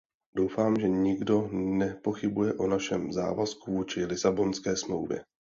Doufám, že nikdo nepochybuje o našem závazku vůči Lisabonské smlouvě.